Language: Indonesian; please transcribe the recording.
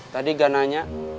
tadi gak nanya